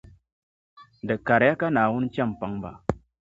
Di kariya ka Naawuni chɛ m-paŋ ba